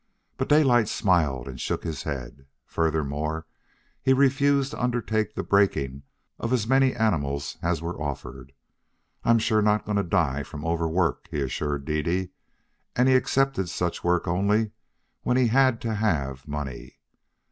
But Daylight smiled and shook his head. Furthermore, he refused to undertake the breaking of as many animals as were offered. "I'm sure not going to die from overwork," he assured Dede; and he accepted such work only when he had to have money.